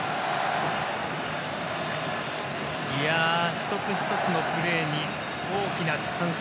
一つ一つのプレーに大きな歓声。